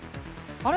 あれ？